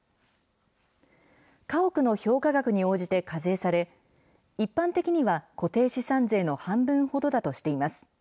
家屋の評価額に応じて課税され、一般的には固定資産税の半分ほどだとしています。